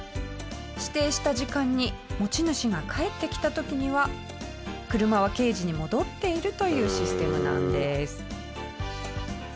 指定した時間に持ち主が帰ってきた時には車はケージに戻っているというシステムなんです。